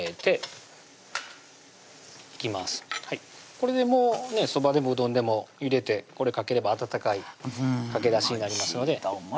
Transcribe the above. これでそばでもうどんでも入れてこれかければ温かいかけだしになりますのでおいしいと思います